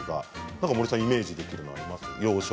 森さん、イメージできるものありますか？